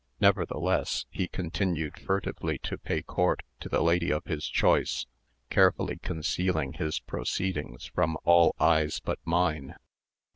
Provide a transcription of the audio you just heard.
Nevertheless, he continued furtively to pay court to the lady of his choice, carefully concealing his proceedings from all eyes but mine.